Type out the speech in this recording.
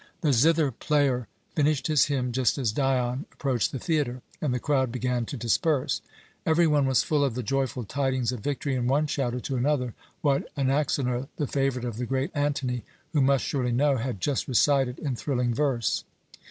The zither player finished his hymn just as Dion approached the theatre, and the crowd began to disperse. Every one was full of the joyful tidings of victory, and one shouted to another what Anaxenor, the favourite of the great Antony, who must surely know, had just recited in thrilling verse.